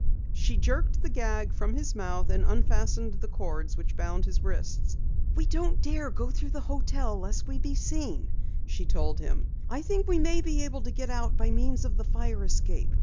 She jerked the gag from his mouth, and unfastened the cords which bound his wrists. "We don't dare go through the hotel lest we be seen," she told him. "I think we may be able to get out by means of the fire escape.